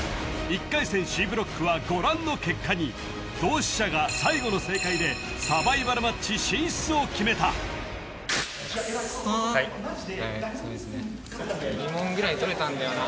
１回戦Ｃブロックはご覧の結果に同志社が最後の正解でサバイバルマッチ進出を決めた２問ぐらいとれたんだよな